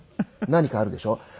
何かあるでしょ？